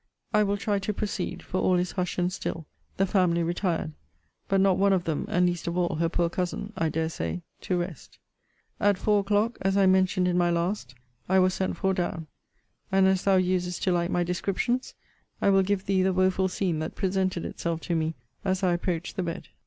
I will try to proceed; for all is hush and still; the family retired; but not one of them, and least of all her poor cousin, I dare say, to rest. At four o'clock, as I mentioned in my last, I was sent for down; and, as thou usedst to like my descriptions, I will give thee the woeful scene that presented itself to me, as I approached the bed.